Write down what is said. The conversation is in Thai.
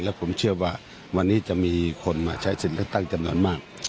และผมเชื่อว่าวันนี้จะมีคนมาใช้สิทธิ์เลือกตั้งจำนวนมาก